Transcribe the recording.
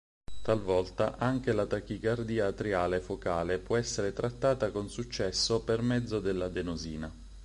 Talvolta anche la tachicardia atriale focale può essere trattata con successo per mezzo dell'adenosina.